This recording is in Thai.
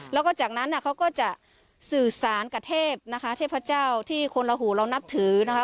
แล้วก็จากนั้นเขาก็จะสื่อสารกับเทพนะคะเทพเจ้าที่คนละหูเรานับถือนะคะ